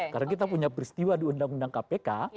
karena kita punya peristiwa di undang undang kpk